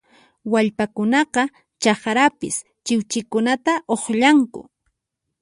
Wallpakunaqa chakrapis chiwchinkunata uqllanku